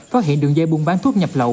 phát hiện đường dây buôn bán thuốc nhập lậu